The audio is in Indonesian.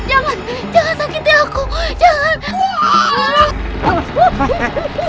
janganlah kalian semua terlalu berani